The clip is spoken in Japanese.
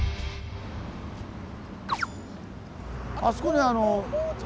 あそこにあの。